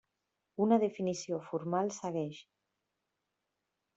Una definició formal segueix.